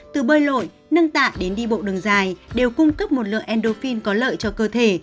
từ bơi lội nâng tạ đến đi bộ đường dài đều cung cấp một lượng endofine có lợi cho cơ thể